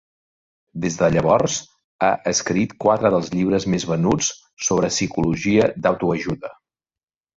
Des de llavors ha escrit quatre dels llibres més venuts sobre psicologia d'autoajuda.